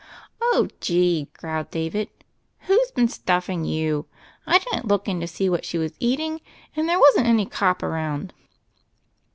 "Oh gee I" growled David, "who's been stuff ing you ? I didn't look in to see what she was eating, and there wasn't any cop around."